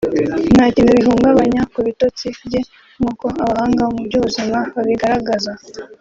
nta kintu bihungabanya ku bitotsi bye nkuko abahanga mu by’ubuzima babigaragaza